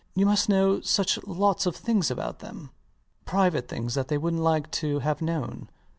You must know such lots of things about them private things that they wouldnt like to have known.